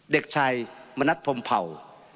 เด็กชายมณัฐพรมเผ่า